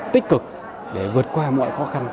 tích cực để vượt qua mọi khó khăn